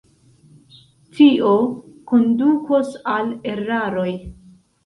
Tio kondukos al eraroj.